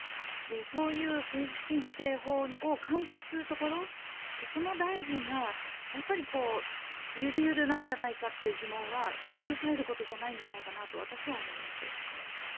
そういう政治資金規正法を管轄するところその大臣が緩々なんじゃないかという疑問は許されることじゃないんじゃないかなと私は思います。